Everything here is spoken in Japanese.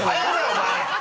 お前。